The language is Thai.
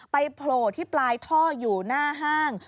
โผล่ที่ปลายท่ออยู่หน้าห้าง